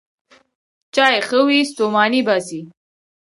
چای ښې وې، ستوماني باسي.